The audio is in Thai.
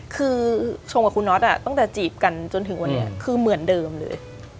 คือชมกับคุณน็อตตั้งแต่จีบกันจนถึงวันนี้คือเหมือนเดิมเลย